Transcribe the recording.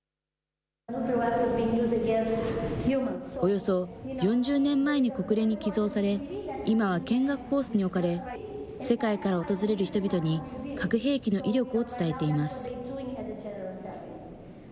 およそ４０年前に国連に寄贈され、今は見学コースに置かれ、世界から訪れる人々に核兵器の威力を伝えています。